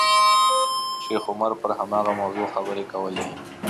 شیخ عمر پر هماغه موضوع خبرې کولې.